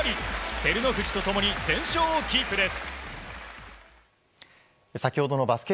照ノ富士と共に全勝をキープです。